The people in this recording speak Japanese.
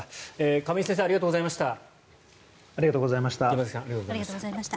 亀井先生ありがとうございました。